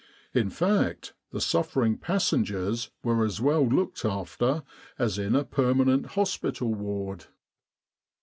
In fact, the suffering passengers were as well looked after as in a per manent hospital ward.